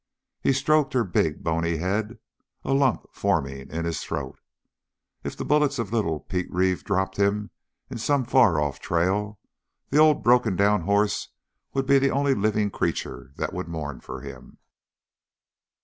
He stroked her big, bony head, a lump forming in his throat. If the bullets of little Pete Reeve dropped him in some far off trail, the old broken down horse would be the only living creature that would mourn for him.